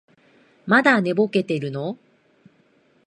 まだ寝ぼけてるの？